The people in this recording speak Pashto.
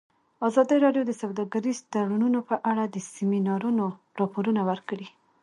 ازادي راډیو د سوداګریز تړونونه په اړه د سیمینارونو راپورونه ورکړي.